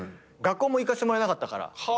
学校も行かせてもらえなかったから。